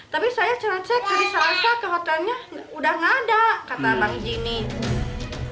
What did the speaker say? tapi saya cera cek hari salasa ke hotelnya udah nggak ada kata bang jimmy